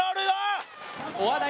お笑い